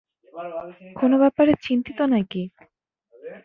কোন ব্যাপারে চিন্তিত না কী?